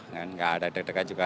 kan nggak ada deg degan juga